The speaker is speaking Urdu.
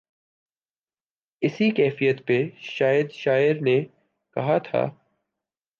اسی کیفیت پہ شاید شاعر نے کہا تھا۔